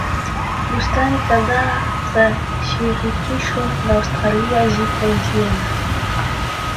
Bustani kadhaa za shirikisho la Austria ziko Vienna.